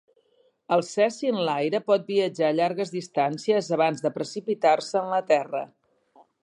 El cesi en l'aire pot viatjar llargues distàncies abans de precipitar-se en la terra.